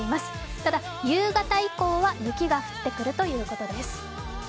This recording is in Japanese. ただ、夕方以降は雪が降ってくるということです。